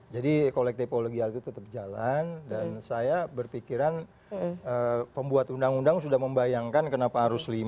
jadi kolektif kolegial itu tetap jalan dan saya berpikiran pembuat undang undang sudah membayangkan kenapa harus lima